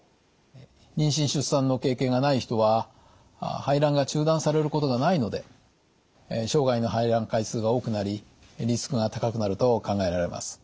妊娠・出産の経験がない人は排卵が中断されることがないので生涯の排卵回数が多くなりリスクが高くなると考えられます。